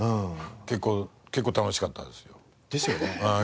結構結構楽しかったですよ。ですよね。